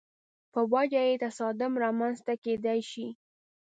په وجه یې تصادم رامنځته کېدای شي.